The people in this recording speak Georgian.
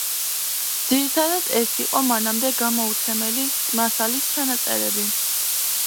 ძირითადად ეს იყო მანამდე გამოუცემელი მასალის ჩანაწერები.